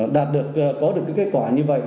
đạt được có được kết quả như vậy